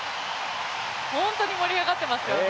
本当に盛り上がっていますよね。